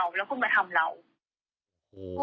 คุณมาบุกลุกเราแล้วคุณมาทำเรา